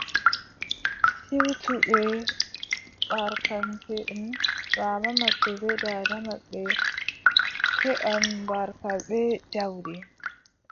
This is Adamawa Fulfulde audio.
Siwtuɓe barkanteʼen, baaba maɓɓe bee daada maɓɓe keɓan barka bee jawdi.